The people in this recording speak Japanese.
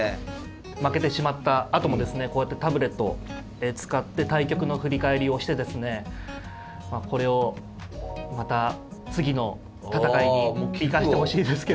負けてしまったあともですねこうやってタブレットを使って対局の振り返りをしてですねこれをまた次の戦いに生かしてほしいですけど。